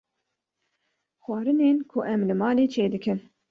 Xwarinên ku em li malê çê dikin